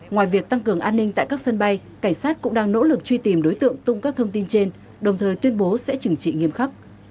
ngoài việc tăng cường an ninh tại các sân bay cảnh sát cũng đang nỗ lực truy tìm đối tượng tung các thông tin trên đồng thời tuyên bố sẽ chỉnh trị nghiêm khắc